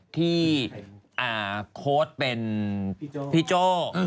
ที่โค้ดเป็นพี่โจค